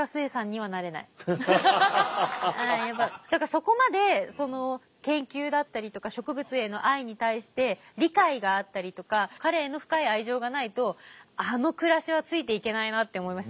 そこまでその研究だったりとか植物への愛に対して理解があったりとか彼への深い愛情がないとあの暮らしはついていけないなって思いました。